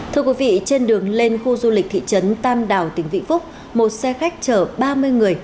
thưa quý vị trên đường lên khu du lịch thị trấn tam đảo tỉnh vĩnh phúc một xe khách chở ba mươi người